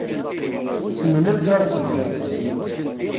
Ssnen amek ara s-ddun.